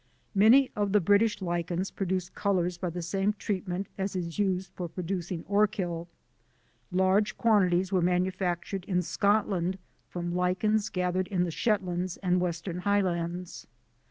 Many of the British lichens produce colours by the same treatment as is used for producing Orchil. Large quantities were manufactured in Scotland from lichens gathered in the Shetlands and Western Highlands.